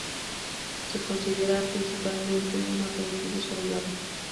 Se considera principalmente un aperitivo saludable.